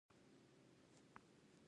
تودوخه د افغانستان د بڼوالۍ برخه ده.